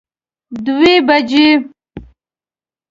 دوه بجی